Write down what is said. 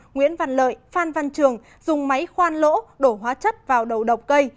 nguyễn văn lợi phan văn trường dùng máy khoan lỗ đổ hóa chất vào đầu độc cây